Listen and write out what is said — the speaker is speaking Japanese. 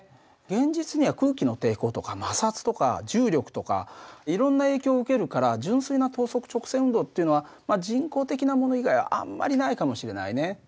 現実には空気の抵抗とか摩擦とか重力とかいろんな影響を受けるから純粋な等速直線運動っていうのは人工的なもの以外はあんまりないかもしれないね。